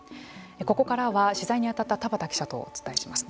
ここからは取材に当たった田畑記者とお伝えします。